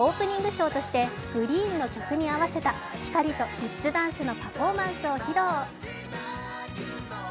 ショートしてＧＲｅｅｅｅＮの曲に合わせた光とキッズダンスのパフォーマンスを披露。